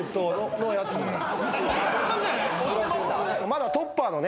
まだ。